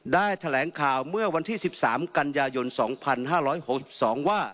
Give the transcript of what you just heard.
แถลงข่าวเมื่อวันที่๑๓กันยายน๒๕๖๒ว่า